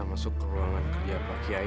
masuk ke ruangan kerja pak kiai